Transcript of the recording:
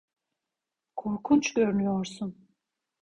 Korkunç görünüyorsun.